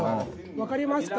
わかりますか？